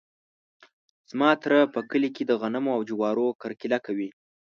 زما تره په کلي کې د غنمو او جوارو کرکیله کوي.